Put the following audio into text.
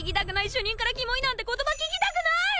主任から「きもい」なんて言葉聞きたくない！